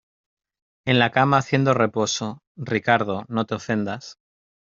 en la cama haciendo reposo. Ricardo, no te ofendas